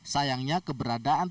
sayangnya keberadaan terbatas